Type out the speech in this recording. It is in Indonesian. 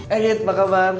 eh pak kaban